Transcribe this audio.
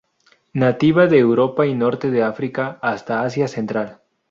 Nativa de Europa y Norte de África hasta Asia Central.